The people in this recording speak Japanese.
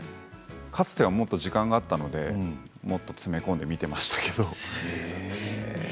かつてはもっと時間があったのでもっと詰め込んで見ていましたけれど。